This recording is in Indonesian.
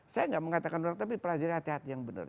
saya tidak mengatakan orang tapi pelajari hati hati yang benar